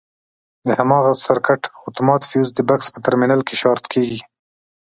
د هماغه سرکټ اتومات فیوز د بکس په ترمینل کې شارټ کېږي.